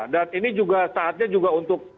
dan ini juga saatnya juga untuk